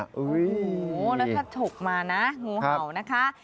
โอ้โหแล้วถ้าฉกมานะงูเห่านะคะ